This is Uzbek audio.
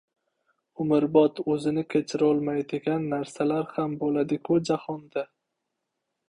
umrbod o‘zini kechirolmaydigan narsalar ham bo‘ladi- kujahonda?!